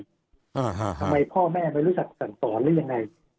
ทำไมพ่อแม่ไม่รู้จักสั่งสอนหรือยังไง